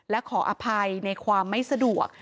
และขออภัยในความไม่สะดวก